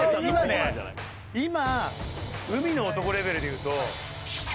今海の男レベルでいうと。